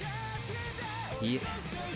いえ。